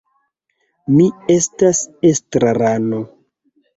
Mi estas estrarano.